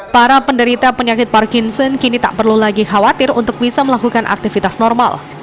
para penderita penyakit parkinson kini tak perlu lagi khawatir untuk bisa melakukan aktivitas normal